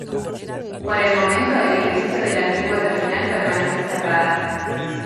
Por el momento el edificio de la antigua terminal permanece cerrada.